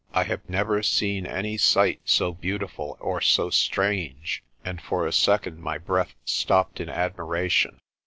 I have never seen any sight so beautiful or so strange and for a second my breath stopped in admiration.